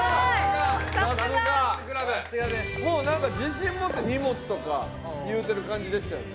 もうなんか自信持って「荷物」とか言うてる感じでしたよね。